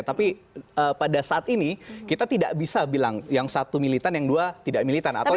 tapi pada saat ini kita tidak bisa bilang yang satu militan yang dua tidak militan atau tidak